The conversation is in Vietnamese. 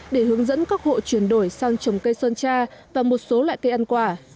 để hướng dẫn các hộ chuyển đổi sang trồng cây sơn tra và một số loại cây ăn quả